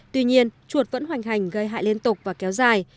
tuy nhiên chuột vẫn hoành hành gây hại liên tục và kéo dài